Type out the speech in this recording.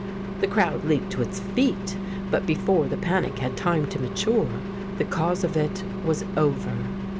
The crowd leaped to its feet, but before the panic had time to mature, the cause of it was over.